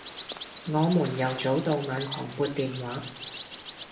我們由早到晚狂撥電話